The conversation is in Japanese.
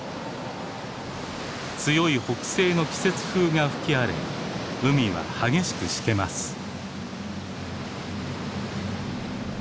強い北西の季節風が吹き荒れ海は激しくしけます。